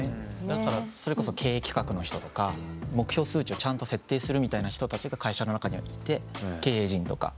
だからそれこそ経営企画の人とか目標数値をちゃんと設定するみたいな人たちが会社の中にはいて経営陣とか。